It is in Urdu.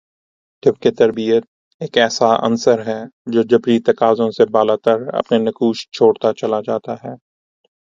جبکہ تربیت ایک ایسا عنصر ہے جو جبلی تقاضوں سے بالاتر اپنے نقوش چھوڑتا چلا جاتا ہے